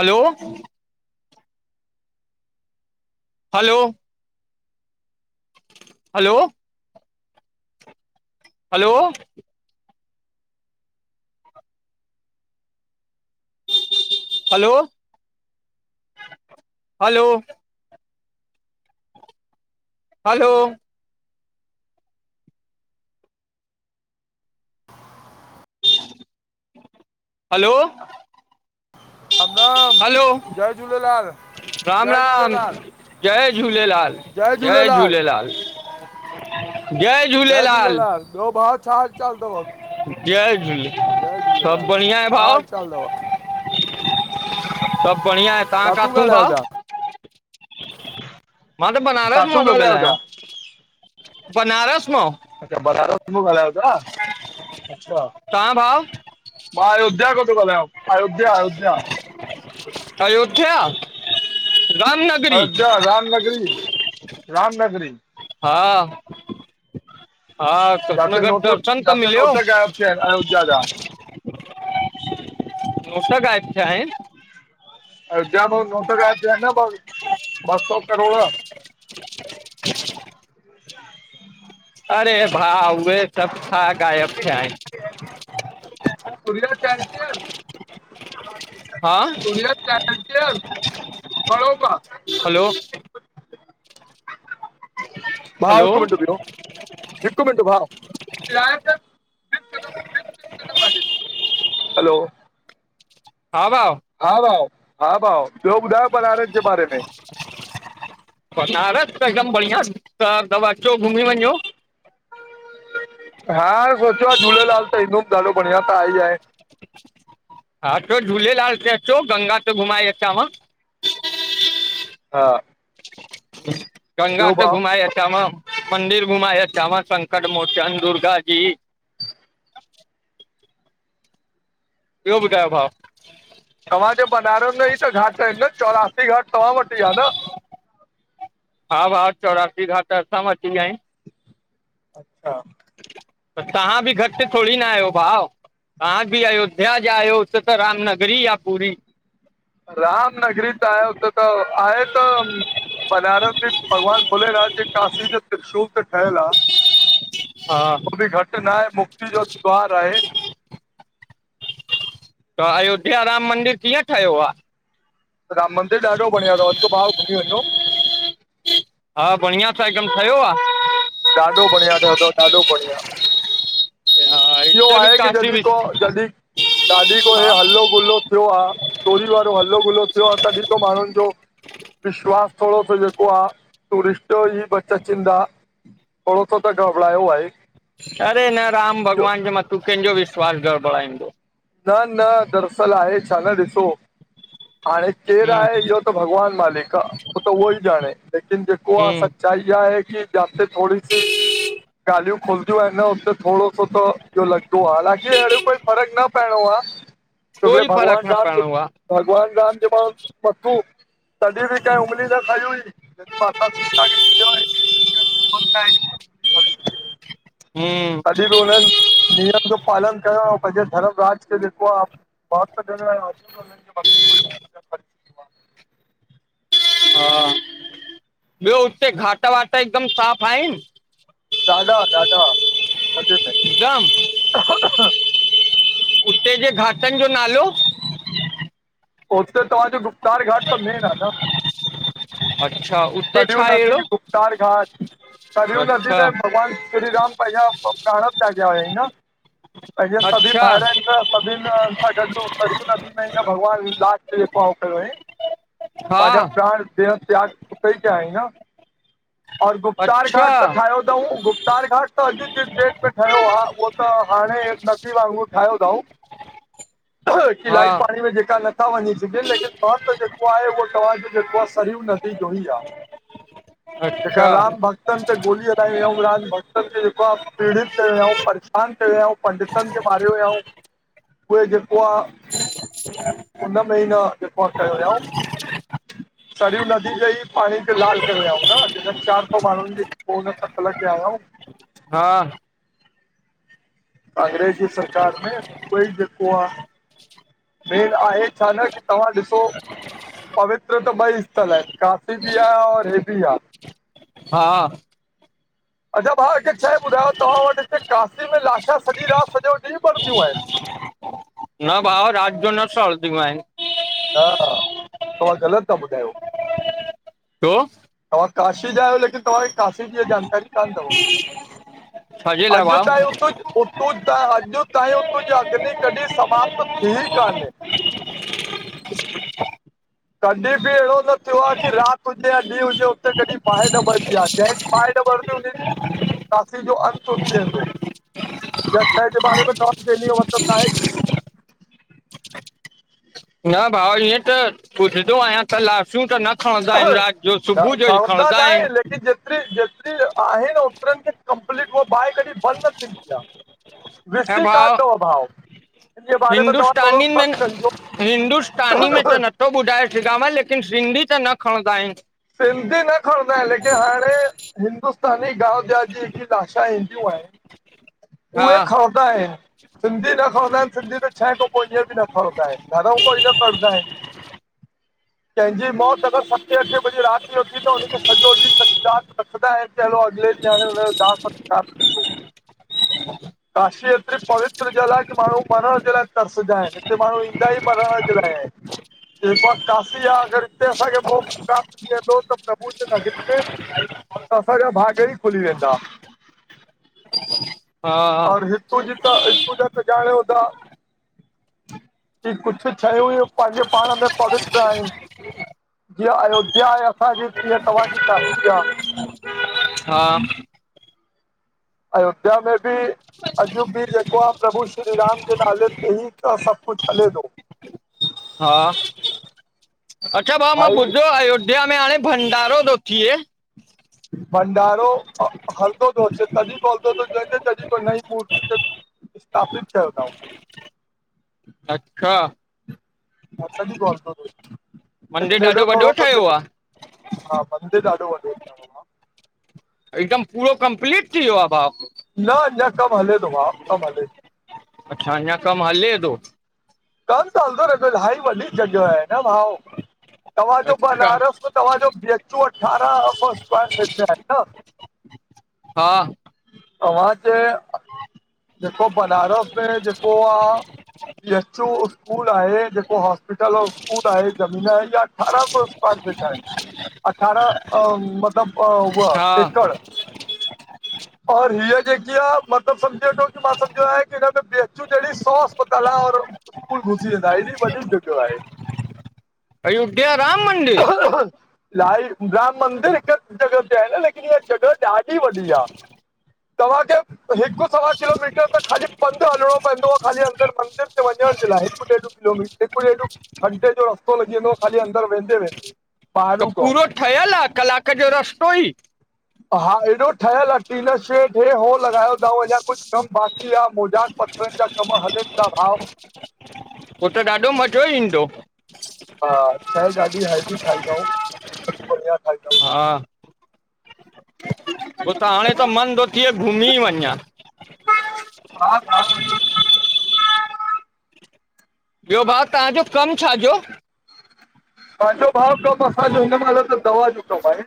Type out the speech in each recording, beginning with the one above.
हलो hello hello hello hello, hello hello [unintelligible] हलो अम Ram hello जय झूलेलाल। राम, जय राम झूलेलाल जय झूलेलाल, जय झूलेलाल। [inaudible] जय झूलेलाल ॿियो भाउ छा? चाल तव जय झूले जय सभु झूलेलाल, बढ़िया छा हाल चाल तव? [unintelligible] सभ बढ़िया आहे, तवां काथू ॻाल्हायो भा? था मां त किथां बनारस मां थो ॻाल्हायो था ॻाल्हायां, बनारस मां। अचछा बनारस मां ॻाल्हायो था, अछा। तव्हां भाउ मां अयोध्या खां थो ॻाल्हायां, अयोध्या अयोध्या। अययोथ्या रामनगर? अयोध्या रामनगरी रामनगरी। हा हा, घट में जिते घट नोट दर्शन त जिते मिलियो। नोट गायब थिया आहिनि अयोध्या जा नोट गायब दिया आहिनि। अयोध्या में नोट गायब थीया आहिनि, ॿ सौ करोड़। [inaudible] [inaudible] [inaudible] अरे भा, उहे सभ छा ग़ायब थिया आहिनि हा [unintelligible] [unintelligible] हलो भा, हलो हिक मिंट भियो। हिकु मिंट भा हलो हा भाउ हा भाऊ, हा भाऊ, ॿियो ॿुधायो बनारस जे बारे में। बनारस त हिकदम बढ़िया, सब अचो घुमी वञो। हा! सोचियो झूलेलाल त ईंदुमि ॾाढो बढ़िया त आह ही आहे। हा,, अचो झूलेलाल ते अचो, गंगा ते घुमाए अचांव। हा गंगा ॿियो त भाउ घुमाऐ अच व। मंदिर घुमाऐ अचाव संकट मोचन, दुर्गा जी [inaudible] ॿियो ॿुधायो भाउ? तव्हांजे बनारस में ही त घाट आहिनि न, चौरासी घाट तव्हां वट ही आ न? हा भाउ,, चौरासी घाट असां वट ही आहिनि। अच्छा! त तव्हां बि घट थोडी न आहियो भाउ तंहा भी अयोध्या जा आहियो उते त रामनगरी आ पूरी। राम नगरी त आहे हुते त, आहे त बनारस,, जे भॻवान भुलेनाथ जे, काशी जे त्रिशूल ते ठहियल आ। हा हो बि घट न आहे, मुक्ति जो द्वार आहे। त अयोध्या राम मंदिर कीअं ठहियो आ? राम मंदिर ॾाढो बढ़िया तव अचो भा घुमी वञो। हा बढ़िया सां हिकदम ठयो आ। ॾाढो बढ़िया ठहियो अथव ॾाढो बढ़िया इहो आहे की, काशी जॾहिं बि को, हा जॾहिं ॾाॾी को हे हलो गुल्हो थियो आहे, चोरी वारो हलो गुलो थियो आ, तॾहिं खां माण्हुंनि जो विश्वासु थोडो जो जेको आ टूरिस्ट ही बस अचनि था। थोड़ो सो त गबड़ायो आहे। अरे न राम इहो भॻवान जे मथूं कंहिंजो विश्वास गड़बड़ाईंदो। न- न, दरसल आहे छा न ॾिसो हाणे केर हूं आहे इहो त भॻवान मालिक आ, हू त उहो ई ॼाणे लेकिन जेको आ हूं सच्चाई ईसा आहे की जाते थ थोड़ी सी ॻाल्हियु खुलंदियु आहिन न उते थोडो हो तो लॻंदो आ, हालाकी अहिड़ो कोई फर्क न पियो आ छोकि कोई भॻवान फ़र्क़ु न राम जो, पवणो आहे भॻवान राम जो प मथू, तॾहिं बि केह उगंली न खई हुई। [unintelligible] हुं अधिकोलन, नियम जो पालन कयो, पंहिंजे धर्म राज़ के जेको आ [unintelligible] हा, ॿियो हुते घाट -वाट हिकुदमि साफ़ आहिनि? ॾाढा- ॾाढा, मजे़ में हिकदमि अहह उते जे घाटनि जो नालो? उते त तव्हांजो, गुप्तार घाट त मेन आ न। अच्छा उते कररियूं छा नदी, अहिड़ो गुप्तार घाट, करियूं नदी अच्छा में भॻवान श्री राम पंहिंजा प्राण तियागा हुया हीं न पंहिंजे सभी अच्छा भावर आहिन, सभिन सां गॾु हो सरियूं न नदी में भॻवान राम देव पांव करियो हे पंहिंजा हा प्राण देह तियागे उतेई कया ईन और गुप्तार अच्छा घाट त ठाहियो तऊं, गुप्तार घाट त अॼु जे डेट में ठहियो आ, उहो त हाणे न उह ठाहियो तऊं, हा कलाई पाणी में जेका न था वञी सघनि, लेकिन त जेको आहे, उहो तव्हांजो जेको आ, सरियूं नदी जो ई आ जेका अच्छा राम भक्त भक्तनि ते गोली हलाई वया रहायूं, राज भक्तनि खे बाद आ पीड़ित कयो रहाऊं, ऐं परेशान कयो रहाऊं। पंडितनि खे मारियो रहाऊं, उहे जेको आ [inaudible] हुन में ई न, जेिको कियो रहाऊं सरयूं नदी ते ई पाणी ते लाल करे वया रहायूं न जेकॾ चारि सौ माण्हुंनि जी पोइ ख़तल के आया आहिऊं। हा - - अंग्रेजी सरकार में उहोई जेको आ। मेन आहे छा न की तव्हां ॾिसो पवित्र? त ॿई स्थल हे, काशी बि आ, और हे बि आ। हा - - अच्छा भाउ हिकु शेए ॿुधायो, तव्हां वटि हिते काशी में लाशा सॼी रात, सॼो ॾींहु बरंदियूं हिन। न भाउ राति जो न सॼीयूं आहिन। न हा, तव्हां ग़लत था ॿुधायो। छो? तव्हां काशी जा आहियो, लेकिन तव्हांखे काशी जी ये जानकारी कोन तव। [unintelligible] अॼु भाउ तायो - - [unintelligible] - - कॾहिं बि अहिड़ो न थियो आ, की राति हुजे या ॾींहु हुजे हुते कॾहिं ॿाहि न बरबी आ, जंहिं ॿाहे न भरंदी हुनजी, काशी जो अंत हुजे वेंदो। जज साहिब जे बारे में चवां डेली ओ मतिलबु ना हे। न भाऊ इएंं त पुछंदो आहियां, त लाशियूं त न - - खणंदा आहिन आहे राति जो सुबहु जो, ई खणंदा आहिन। जेतरी जेतिरी आहे न ओतिरन खे कंपलीट ओ बाए की बंदि न थींदी आ। ऐं विसी कान भाउ दो भाव - - हिन जे बारे में तव्हां थोरो हिंदुस्तानियुनि सर्च में कजो सुठो ॿुधाए छिगामे लेकिन, सिंधी त न खणंदा आहिन। सिंधी न खणंदा आहिन लेकिन, अरे! हिंदुस्तानी ॻाल।। हीयाजेकी लाशा ईंदियूं आहिनि हा उहे खणंदा आहियूं सिंधी न खणंदा आहिन सिंधी त छ खां पोइ ईअं बि न खणंदा आहिन घरऊ कोई न कंडदा आहिन। कंहिंजी मौत अगरि सते अठ वॻे रात जो थी तो वञे त सॼो ॾींहुं सॼीरात रखंदा आहिनि हलो अॻिले ॾींहुं हाणे हुनयो दाह संस् खांस फ़ो [inaudible] काशी एतिरी पवित्र जल आहे की माण्हू मरण जे लाइ तरसंदा आहिन हिते माण्हू ईंदा ई मरण जे लाइ आहिन। जेको आहे कशी आहे अगरि हिते असांखे मोक्ष प्राप्त थी वेंदो त प्रभु जे नगरी में असां जा भाग ई खुली वेंदा। हा और हितु जी त हितु जा सॼाणूंदा। की कुझु शयूं हूंयू पंहिंजे पाण में पवित्र आहिन। जीअं अयोध्या आहे असांजी जीअं तव्हांजी काशी आ। हा अयोध्या में बि ब [unintelligible] अॼु बि जेको आहे प्रभु श्री राम जे नाले ते ई त सभु कुझु हले थो हा अच्छा भाउ मां भाई ॿुधो आहे अयो ध्या मे हाणे भंडारो तो थिए भंडारो हलंदो थो अचे तडहि पोइ हलंदो थो अचे तडहि खों नई मूर्ति जो स्थापित कयो तऊ अच्छा माताजी गोड फॉर मेड मंदरु लेकिन हेॾो ॾाढो वॾो थोरो सो ठहियो जेको आहे हा मंदिर ॾाढो वॾो आहे हिकदम पूरो कंप्लीट थी वियो आहे भा न अञा कमु हले थो भाउ कमु हले अच्छा अञा कमु हले थो कम त हलंदो रहींदो इलाही वडी जॻियो आहे न भाव तव्हांजो अच्छा बनारस में तव्हांजो बिएचयू अठारह सौ स्कायर फिट में आहे न हा तव्हांजे जेको बनारस में जेको आह बिएचओ स्कूल आहे जेको हॉस्पिटल औ स्कूल आहे ज़मीन आहे इया अठारह सौ स्कायर फीट आहे अठारह अ मतिलब अ हा उह एकड़ और हीअ जेकी आहे मतिलबु सम्झे वठो की मां सम्झंदो आहियां की हिन में बिएचयू जहिड़ी सॉ अस्पताल आह और कुल घुसी वेंदा हेॾी वॾी जॻियो आहे अयोध्या राम मंदिर ह लाइ राम मंदिर हिक जॻह ते आहे न लेकिन इहा जॻह ॾाढी वॾी आह तव्हांखे हिकु सवा किलोमीटर त ख़ाली पंधु हलणो पवंदो आहे ख़ाली अंदरि मंदर ते वञण जे लाइ डेढ किलोमीटर हिकु ॾेढ घंटे जो रस्तो लॻी वेंदो ख़ाली अंदर वेंदे वेंदे त ॿाहिरूं खां पूरो ठहियलु आहे कलाक जो रस्तो ई हा हेएॾो ठहियल आहे टीनाश्रे ठे हो लॻायो थव अञां कुझु कमा बाकी आ मोजाक पथ जा कम हलनि था भाउ पो त ॾाढो मज़ो ई ईंदो हा शइ ॾाढी हैल्दी ठाई तऊं बढ़िया ठाई तऊं। हा हो त हाणे त मन तो थे घुमी वञां। हा भाउ ॿियो भाउ, तव्हांजो कम छाजो पैंजो भाउ कम असांजो हिन महिल त दवा जो कम आहे।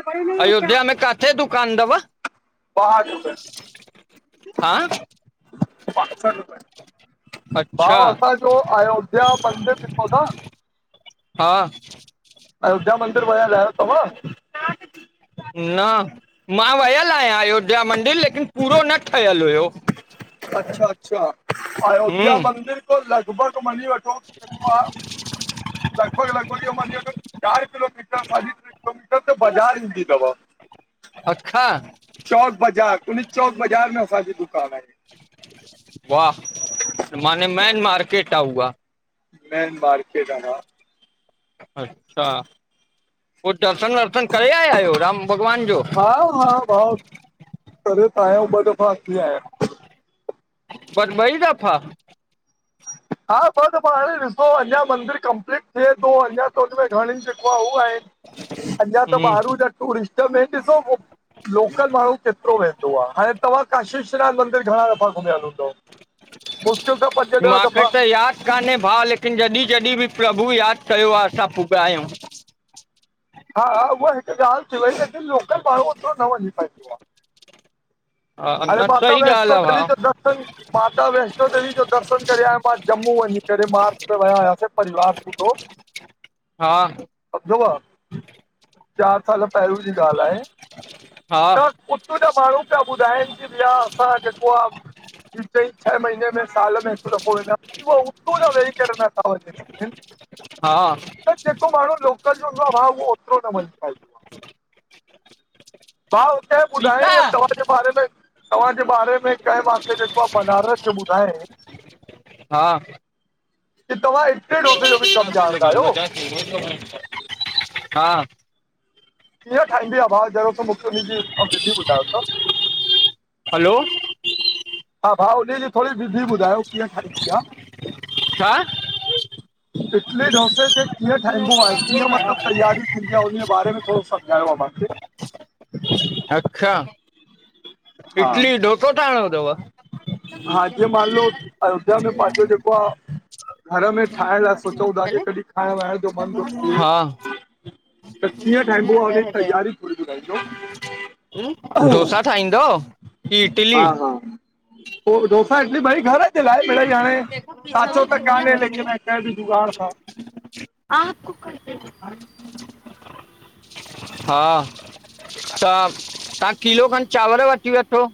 ॿाहठि रुपए अयोध्या में काथे दुकान तव? ॿाहठि हा अच्छा [unintelligible] जो अयोध्या मंदिर ॾिठो न हा अयोध्या मंदर वयल आयो तवां? न, मां वयल आहियां अयोध्या मंदिर, लेकिन पूरो न ठहियल हुयो। अच्छा, अच्छा अयोध्या हम्म मंदिर खों लॻभॻ मञी वठो [inaudible] अ लॻभॻ-लॻभॻ इहो मञी वठो, चार किलोमीटर साढी ट्रे किलोमीटर ते बाज़ार ईंदी तव। अखा चौक बाज़ार। उनी चौक बाज़ार में असांजी दुकान आहे। वाह! माने मैन मार्केट आ उआ। मेन मार्केट अन अच्छा, पो दर्शन वर्शन करे आया आयो? राम भॻवान जो। हा, हा मां, करे त आहियां ॿ दफ़ा थी आहियां। बस बई दफ़ा? हा, ॿ दफ़ा हाणे ॾिसो अञा मंदिर कंप्लीट थे तो, अञा त हुनमें घणी जेको उ आहिन, अञां त हम्म ॿाहरूं जा थोड़ी इंस्टा में ॾिसो फोन लोकल माण्हू केतरो वेंदो आ, हाणे तव्हां काशेश्वनाथ मंदर घणा दफ़ा घुमियल हूंदव। मुश्किल त पंज ॾह मांखे दफ़ा त याद कान्हे भाउ, लेकिन जॾी-जॾी बी प्रभु याद कयो आ असां पुॻा आयूं। हा, उहा हिक ॻाल थी वई, लेकिन लोकल माण्हू ओतरो न वञी पाईंदो आ। हा अड़े! न माता सही ॻाल्हि वैष्णो आहे देवी भाउ जो दर्शन माता वैष्णो देवी जो दर्शन करे आयां मां जम्मू वञी करे, मार्च में विया हुयासीं परिवार सां [unintelligible] हा कंदो आ। चार साल पेहरियों जी ॻाल आहे त हा उतां जा माण्हू पिया ॿुधाइन कि भैया असां जेको आ ट्री, चई छह महीने में, साल में, हिक दफ़ो वेंदा आऊं। वो उतों वेही करे नथा वञन। [inaudible] हा पर जेको माण्हू लोकल जो हूंदो आ, भाउ उहो ओतरो न वञी पाईंदो। हा, हुते‌जो सीता ॿुधाईं तव्हांजे बारे में, तव्हांजे बारे चयोमांस जेको आहे बनारस त ॿुधाए हा कि तव्हां [unintelligible] जो बी कम ॼाणदा आयो? हा। कीअं ठाहींदी आ? भा ज़रो त मूंखे हुनजी विधी ॿुधायो त। हलो। हा भा हुन जी थोरी विधी ॿुधायो कीअं ठाहिंदी आ। छा। इटली डोसे खे कीअं ठाहींबो आ कीअं मतलबु तयारी थींदी आहे उन जे बारे में थोरो समुझायो आ मांखे। अच्छा, हा इटली डोसो ठाहिणो तव। हा जीअं मानलो अयोध्या में पंहिंजो जेको आ। घर में ठाहिण लाइ सोचउ ता की कॾहिं खाइण वाइण जो मन तो थिए। हा त कीअं ठाहिबो आ हुन जी तैयारी थोडी बुधाइजो। डोसा ठाहींदो, की इटली? हा डोसा इडली भई घर अलाइ मिडई हाणे साचो त कान्हे लेकिन देसी जुगाड़ अथव। हा [inaudible] त तव्हां किलो खनि चांवर वठी वठो।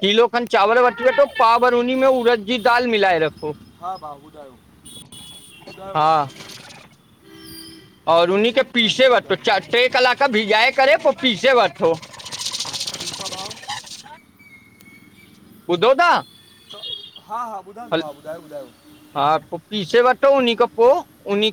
कीलो खनि चांवर वठी वठो पाव भर उनी में उरद जी दाल मिलाए रखो। हा भाऊ ॿुधायो, ॿुधायो हा भाउ। और उनि खे कीअं ठहंदो पीसे वठो ॿुधायो टे कलाक भिजाए करे पो पीसे वठो। ठीकु आ भाउ। ॿुधो था हा हा ॿुधां थो हल भाउ, ॿुधायो ॿुधायो। हा पो पीसे वठो उनि खां पो उनि